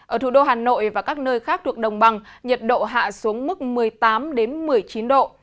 ở thủ đô hà nội và các nơi khác thuộc đồng bằng nhiệt độ hạ xuống mức một mươi tám một mươi chín độ